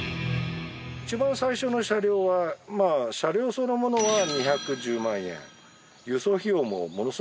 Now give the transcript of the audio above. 一番最初の車両はまあ車両そのものは２１０万円。